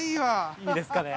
いいですかね？